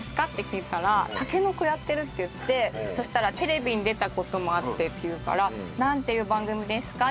聞いたらタケノコやってるって言ってそしたらテレビに出た事もあってって言うからなんていう番組ですか？